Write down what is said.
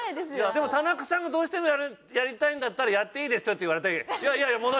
「でも田中さんがどうしてもやりたいんだったらやっていいですよ」って言われたけどいやいや。